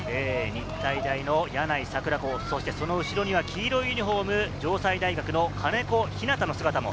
日体大の柳井桜子、その後ろには黄色のユニホーム、城西大学の金子陽向の姿も。